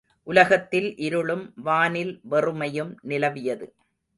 உலகத்தில் இருளும், வானில் வெறுமையும் நிலவியது.